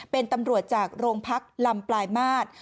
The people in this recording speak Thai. เป็นตำรวจจากโรงพักลำปลายมาตร